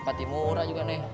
pati murah juga nih